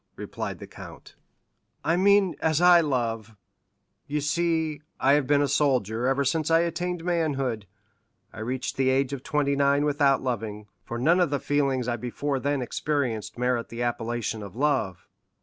replied the count. "I mean, as I love. You see, I have been a soldier ever since I attained manhood. I reached the age of twenty nine without loving, for none of the feelings I before then experienced merit the appellation of love.